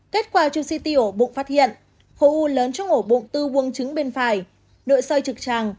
kết quả trung si tiểu bụng phát hiện khu u lớn trong ổ bụng tư buông trứng bên phải nội sôi trực tràng